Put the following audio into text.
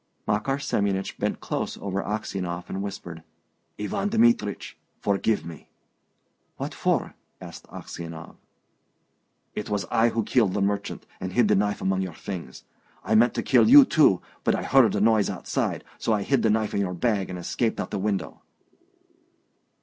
Makar Semyonich bent close over Aksionov, and whispered, "Ivan Dmitrich, forgive me!" "What for?" asked Aksionov. "It was I who killed the merchant and hid the knife among your things. I meant to kill you too, but I heard a noise outside, so I hid the knife in your bag and escaped out of the window."